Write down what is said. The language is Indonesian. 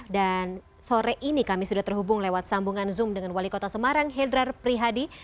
dan sore ini kami sudah terhubung lewat sambungan zoom dengan wali kota semarang hendra prihadi